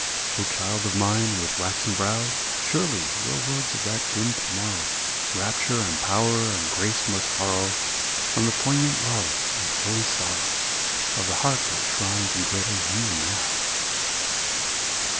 O, child of mine, with waxen brow, Surely your words of that dim to morrow Rapture and power and grace must borrow From the poignant love and holy sorrow Of the heart that shrines and cradles you now